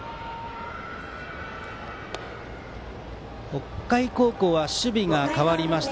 北海高校は守備が変わりました。